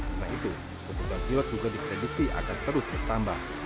karena itu kebutuhan pilot juga diprediksi akan terus bertambah